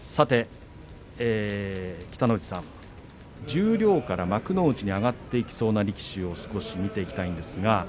北の富士さん、十両から幕内に上がっていきそうな力士を少し見ていきたいと思います。